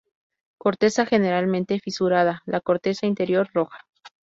Corteza generalmente fisurada, la corteza interior roja.